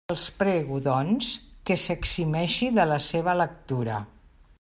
Els prego, doncs, que s'eximeixi de la seva lectura.